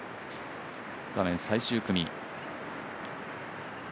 画面、最終組。